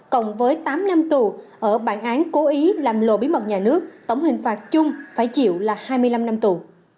cộng với tám năm tù ở bản án cố ý làm lộ bí mật nhà nước tổng hình phạt chung phải chịu là hai mươi năm năm tù